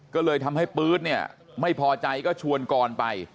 ก็เลยทำให้ปื๊ดเนี่ยไม่พอใจก็ชวนกรไป